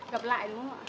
gập lại đúng không ạ